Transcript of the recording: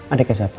ada kakak siapa